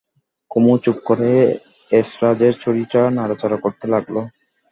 কুমু চুপ করে এসরাজের ছড়িটা নাড়াচাড়া করতে লাগল।